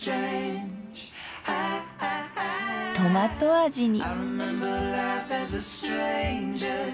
トマト味に。